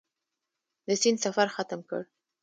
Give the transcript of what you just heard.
د سیند سفر ختم کړ.